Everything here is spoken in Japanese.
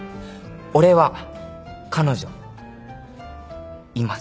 俺は彼女います。